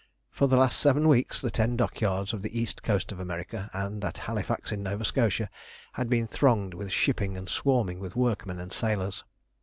For the last seven weeks the ten dockyards of the east coast of America, and at Halifax in Nova Scotia, had been thronged with shipping, and swarming with workmen and sailors.